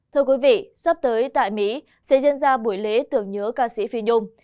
thưa quý vị sắp tới tại mỹ sẽ diễn ra buổi lễ tưởng nhớ ca sĩ phi nhung